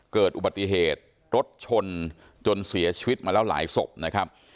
เกิดอุบัติเหตุรถชนจนเสียชีวิตมาแล้วหลายศพนะครับ